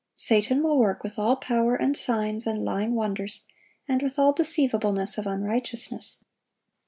(746) Satan will work "with all power and signs and lying wonders, and with all deceivableness of unrighteousness."